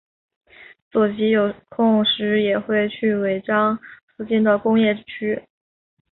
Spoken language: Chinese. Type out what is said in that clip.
佐吉有空时也会去尾张附近的工业区。